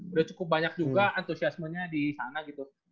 udah cukup banyak juga antusiasmenya di sana gitu